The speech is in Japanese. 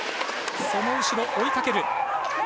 その後ろ、追いかける。